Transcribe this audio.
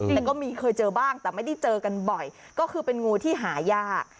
แต่ก็มีเคยเจอบ้างแต่ไม่ได้เจอกันบ่อยก็คือเป็นงูที่หายาก